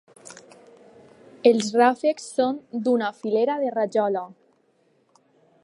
Els ràfecs són d'una filera de rajola.